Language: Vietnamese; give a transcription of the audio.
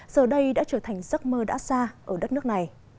giờ đây đã trở thành giấc mơ đã xa ở đất nước này